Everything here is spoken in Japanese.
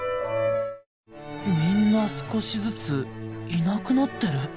みんな少しずついなくなってる？